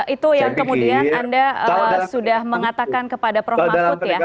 itu yang kemudian anda sudah mengatakan kepada prof mahfud ya